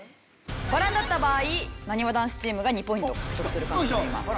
バランだった場合なにわ男子チームが２ポイント獲得する感じになります。